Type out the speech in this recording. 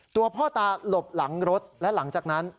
ตัวพ่อตาหลบหลังรถและหลังจากนั้น